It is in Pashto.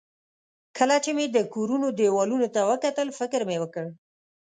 کله چې مې د کورونو دېوالونو ته وکتل، فکر مې وکړ.